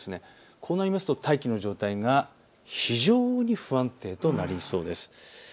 こうなりますと大気の状態が非常に不安定となりそうです。